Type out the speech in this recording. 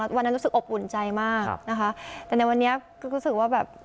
แล้ววันนั้นรู้สึกอบอุ่นใจมากครับนะคะแต่ในวันนี้ก็รู้สึกว่าแบบ